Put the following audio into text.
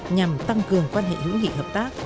nhằm tăng cường quan hệ hữu nghị hợp tác